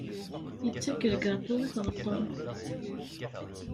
Yettak lgaṭu i tɣeṭṭen.